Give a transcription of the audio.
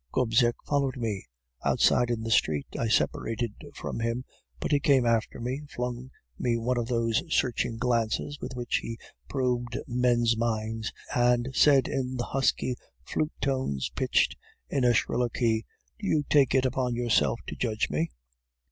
Gobseck followed me. Outside in the street I separated from him, but he came after me, flung me one of those searching glances with which he probed men's minds, and said in the husky flute tones, pitched in a shriller key: "'Do you take it upon yourself to judge me?